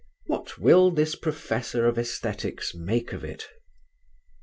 What will this professor of Æsthetics make of it?